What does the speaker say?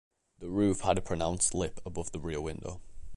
The roof had a pronounced lip above the rear window.